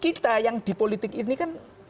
kita yang di politik ini kan